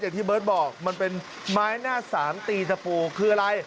ที่เบิร์ตบอกมันเป็นไม้หน้าสามตีตะปูคืออะไร